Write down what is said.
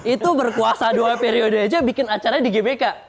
itu berkuasa dua periode aja bikin acara di gbk